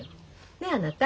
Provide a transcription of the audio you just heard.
ねえあなた？